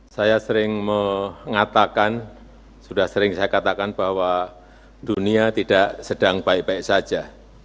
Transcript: saya sering mengatakan sudah sering saya katakan bahwa dunia tidak sedang baik baik saja